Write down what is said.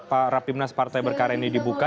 pak rapimnas partai berkarya ini dibuka